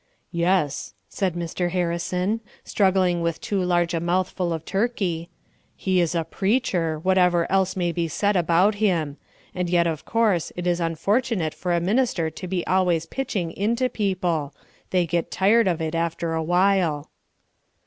"Yes," said Mr. Harrison, struggling with too large a mouthful of turkey, "he is a preacher, whatever else may be said about him; and yet of course it is unfortunate for a minister to be always pitching into people; they get tired of it after a while."